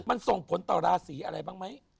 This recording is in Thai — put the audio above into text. มันส่งผลต่อราศีอะไรบ้างไหม